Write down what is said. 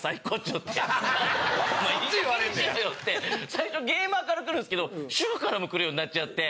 最初ゲーマーから来るんですけど主婦からも来るようなっちゃって。